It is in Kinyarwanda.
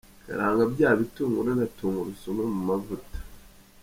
Karanga bya bitunguru na tungurusumu mu mavuta.